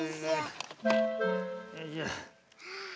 よいしょ。